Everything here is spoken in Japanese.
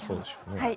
はい。